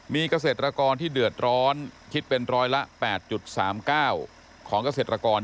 มีเกษตรกรที่เดือดร้อนคิดเป็นร้อยละ๘๓๙ของเกษตรกร